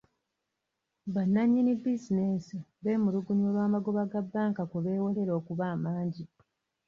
Ba nnanyini bizinesi bemulugunya olw'amagoba ga bank kwe beewolera okuba amangi.